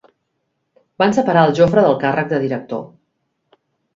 Van separar el Jofre del càrrec de director.